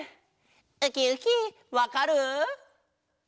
ウキウキわかる？